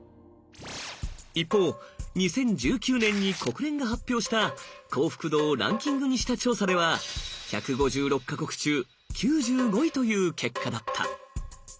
一方２０１９年に国連が発表した幸福度をランキングにした調査では１５６か国中９５位という結果だった。